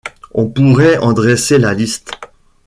On pourrait en dresser la liste.